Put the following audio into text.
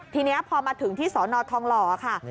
ทีนี้พอมาถึงที่สอนอทองหล่อค่ะ